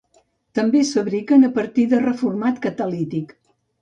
També es fabriquen a partir de reformat catalític.